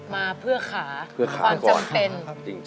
มาเพื่อขาความจำเป็น